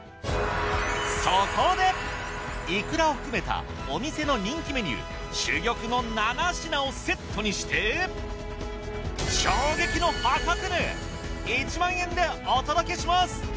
そこでいくらを含めたお店の人気メニュー珠玉の７品をセットにして衝撃の破格値１万円でお届けします。